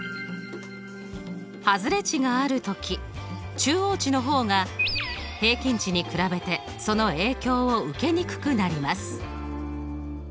外れ値がある時中央値の方が平均値に比べてその影響を受けにくくなります。